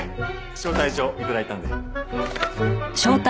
招待状頂いたんで。